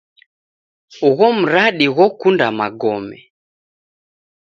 Ugho mradi ghokunda magome.